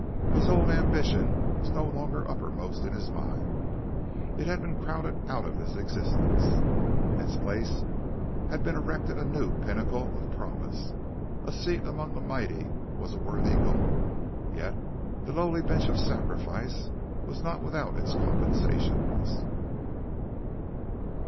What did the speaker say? His old ambition was no longer uppermost in his mind it had been crowded out of his existence. In its place had been erected a new pinnacle of promise. A seat among the mighty was a worthy goal. Yet the lowly bench of sacrifice was not without its compensations.